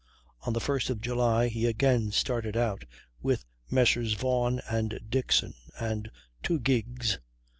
On the 1st of July he again started out, with Messrs. Vaughan and Dixon, and two gigs.